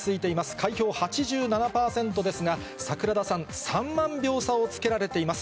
開票８７％ですが、桜田さん、３万票差をつけられています。